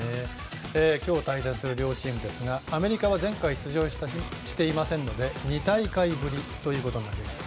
今日、対戦する両チームですがアメリカは前回出場していませんので２大会ぶりということになります。